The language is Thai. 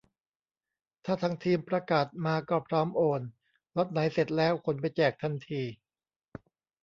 ถ้าทางทีมประกาศมาก็พร้อมโอน ล็อตไหนเสร็จแล้วขนไปแจกทันที